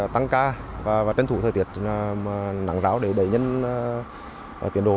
tăng ca và trân thủ thời tiết nắng ráo để đẩy nhân tiến đổ